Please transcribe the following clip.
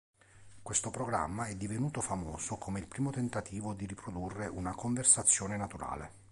Questo programma è divenuto famoso come il primo tentativo di riprodurre una conversazione naturale.